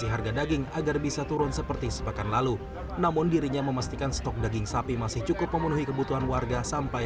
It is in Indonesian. hingga sehari sebelum idul fitri